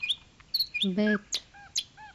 بيت